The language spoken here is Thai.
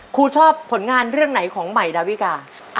ครูชอบผลงานเรื่องไหนของใหม่ดาวิกา